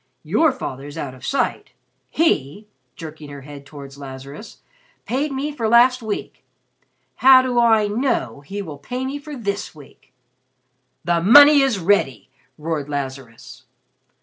Your father's out of sight. He," jerking her head towards Lazarus, "paid me for last week. How do I know he will pay me for this week!" "The money is ready," roared Lazarus.